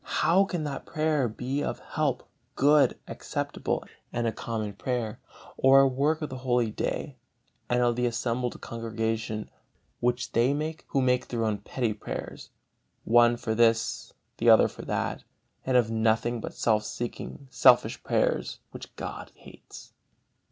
How can that prayer be of help, good, acceptable and a common prayer, or a work of the Holy Day and of the assembled congregation, which they make who make their own petty prayers, one for this, the other for that, and have nothing but self seeking, selfish prayers, which God hates?